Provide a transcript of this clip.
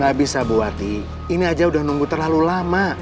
gak bisa buati ini aja udah nunggu terlalu lama